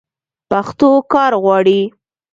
پښتو کار غواړي.